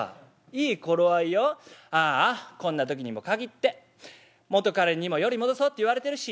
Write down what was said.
「ああこんな時にも限って元カレにもより戻そうって言われてるし」。